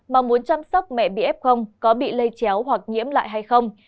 mà muốn chăm sóc mẹ bị f có bị lây chéo hoặc nhiễm lại hay không